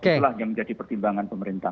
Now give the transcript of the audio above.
itulah yang menjadi pertimbangan pemerintah